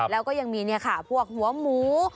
แล้วก็ยังมีนี่ค่ะหัวหมู